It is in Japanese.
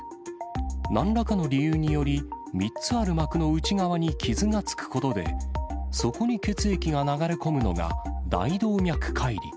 なんらかの理由により、３つある膜の内側に傷がつくことで、そこに血液が流れ込むのが、大動脈解離。